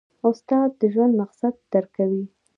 استاد د ژوند مقصد درکوي.